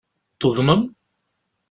Tuḍnem?